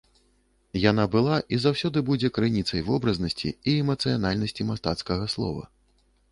Яна была і заўсёды будзе крыніцай вобразнасці і эмацыянальнасці мастацкага слова.